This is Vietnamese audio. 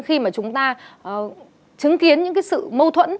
khi mà chúng ta chứng kiến những cái sự mâu thuẫn